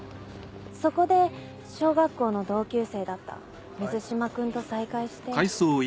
そこで小学校の同級生だった水島君と再会して。